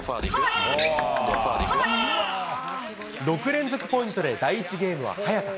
６連続ポイントで第１ゲームは早田。